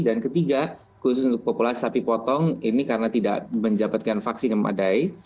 dan ketiga khusus untuk populasi sapi potong ini karena tidak menjabatkan vaksin yang padai